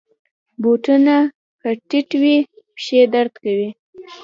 بوټونه که ټیټ وي، پښې درد کوي.